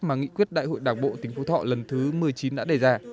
mà nghị quyết đại hội đảng bộ tỉnh phú thọ lần thứ một mươi chín đã đề ra